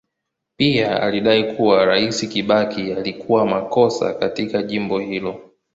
Pia alidai kuwa Rais Kibaki alikuwa makosa katika jambo hilo.